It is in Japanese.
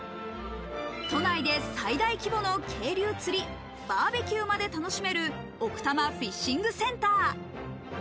都内で最大規模の渓流釣り、バーベキューまで楽しめる奥多摩フィッシングセンター。